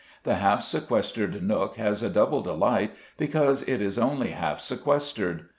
The half sequestered nook has a double delight, because it is only half sequestered.